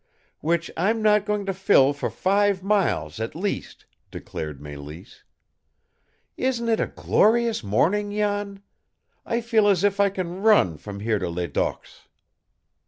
"Which I'm not going to fill for five miles, at least," declared Mélisse. "Isn't it a glorious morning, Jan? I feel as if I can run from here to Ledoq's!"